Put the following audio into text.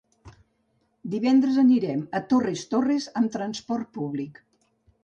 Divendres anirem a Torres Torres amb transport públic.